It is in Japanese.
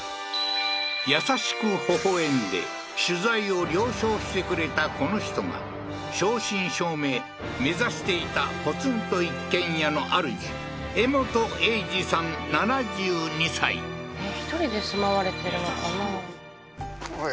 優しく微笑んで取材を了承してくれたこの人が正真正銘目指していたポツンと一軒家のあるじえっ１人で住まわれてるのかな？